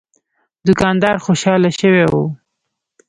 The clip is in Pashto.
دوکاندار خوشاله شوی و.